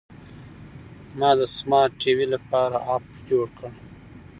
ما د سمارټ ټي وي لپاره اپ جوړ کړ.